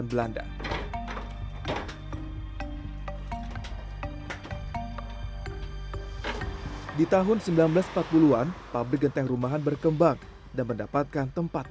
selama beberapa tahun